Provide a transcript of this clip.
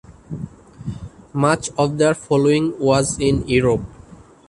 Much of their following was in Europe.